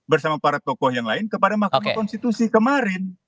bersama para tokoh yang lain kepada mahkamah konstitusi kemarin